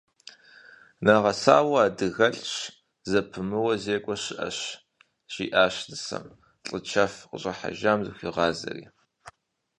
Нэгъэсауэ адыгэлӏщ, зэпымыууэ зекӏуэ щыӏэщ, жиӏащ нысэм, лӏы чэф къыщӏыхьэжам зыхуигъазри.